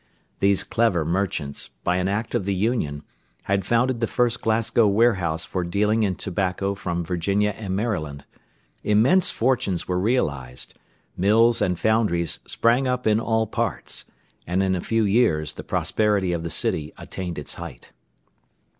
These clever merchants, by an act of the Union, had founded the first Glasgow warehouse for dealing in tobacco from Virginia and Maryland. Immense fortunes were realised; mills and foundries sprang up in all parts, and in a few years the prosperity of the city attained its height.